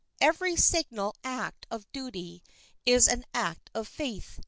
Every signal act of duty is an act of faith.